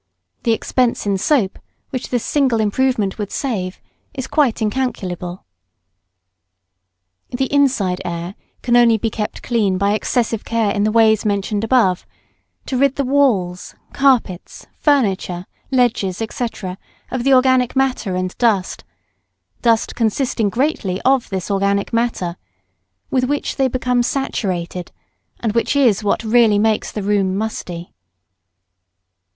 The expense in soap, which this single improvement would save, is quite incalculable. The inside air can only be kept clean by excessive care in the ways mentioned above to rid the walls, carpets, furniture, ledges, &c., of the organic matter and dust dust consisting greatly of this organic matter with which they become saturated, and which is what really makes the room musty.